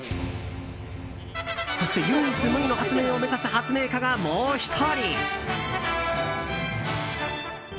そして唯一無二の発明を目指す発明家が、もう１人。